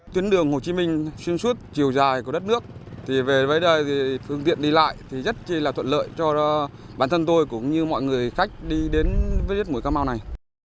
tuyến đường hồ chí minh xuyên suốt chiều dài của đất nước thì về với đây thì phương tiện đi lại thì rất là thuận lợi cho bản thân tôi cũng như mọi người khách đi đến với đất mũi cà mau này